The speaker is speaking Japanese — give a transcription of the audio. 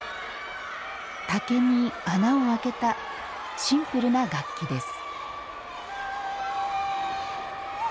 竹に穴を開けたシンプルな楽器です